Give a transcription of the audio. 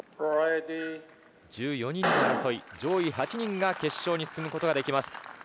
１４人の争い上位８人が決勝に進むことができます。